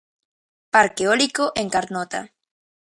Parque eólico en Carnota.